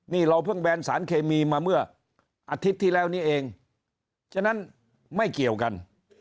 นี่เราเพิ่งแบนสารเคมีมาเมื่ออาทิตย์ที่แล้วนี้เองฉะนั้นไม่เกี่ยวกัน